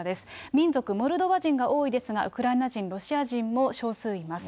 民族、モルドバ人が多いですが、ロシア人、ウクライナ人も少数います。